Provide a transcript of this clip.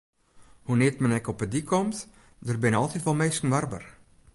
Hoenear't men ek op 'e dyk komt, der binne altyd wol minsken warber.